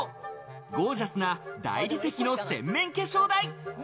ゴージャスな大理石の洗面化粧台。